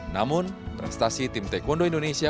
namun prestasi tim taekwondo indonesia